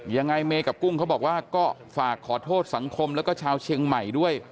ยังไงเมกับกุ้งเขาบอกว่าก็ฝากขอโทษสังคมแล้วก็ชาวเชียงใหม่ด้วย